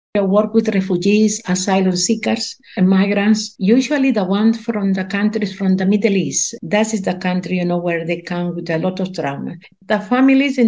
saya mengatakan oke anda tidak menipu dengan negara ini anda sangat bertuah untuk berada di sini